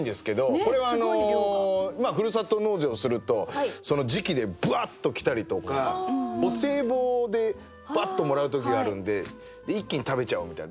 これはふるさと納税をするとその時期でぶわっと来たりとかお歳暮でバッともらう時があるんで一気に食べちゃおうみたいな。